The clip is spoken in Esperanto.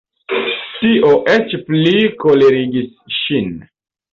Tio eĉ pli kolerigis ŝin.